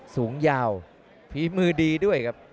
สูงยาวฝีมือดีด้วยครับ